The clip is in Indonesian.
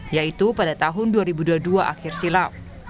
yaitu pada tahun dua ribu dua puluh dua akhir silam